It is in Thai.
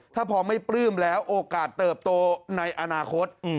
ถ้าพอไม่ปลื้มแล้วโอกาสเติบโตในอนาคต